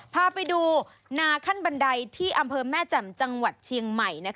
พาไปดูนาขั้นบันไดที่อำเภอแม่แจ่มจังหวัดเชียงใหม่